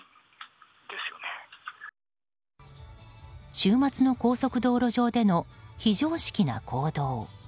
週末の高速道路上での非常識な行動。